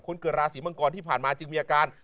เกิดราศีมังกรที่ผ่านมาจึงมีอาการ